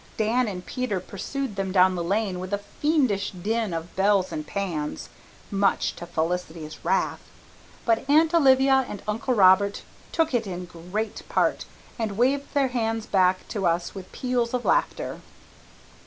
Dan and Peter pursued them down the lane with a fiendish din of bells and pans, much to Felicity's wrath. But Aunt Olivia and Uncle Robert took it in good part and waved their hands back to us with peals of laughter.